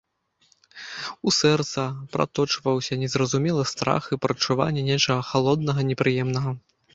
У сэрца праточваўся незразумелы страх і прадчуванне нечага халоднага, непрыемнага.